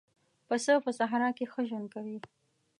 پسه په صحرا کې ښه ژوند کوي.